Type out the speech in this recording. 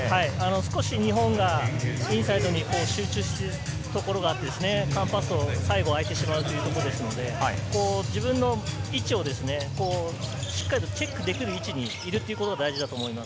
少し日本がインサイドに集中しているところがあって、カンパッソを最後相手にしてもらうということで自分の位置をしっかりチェックできる位置にいるということが大事だと思います。